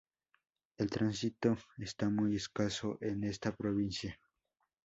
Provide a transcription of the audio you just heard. El tránsito es muy escaso en esta provincia.